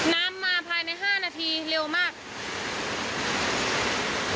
ใน๕นาทีเร็วมาก